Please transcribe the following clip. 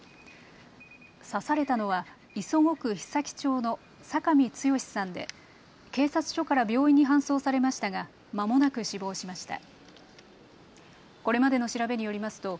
刺されたのは磯子区久木町の酒見剛さんで警察署から病院に搬送されましたがまもなく死亡しました。